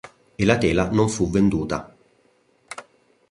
E la tela non fu veduta.